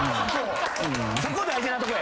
そこ大事なとこ。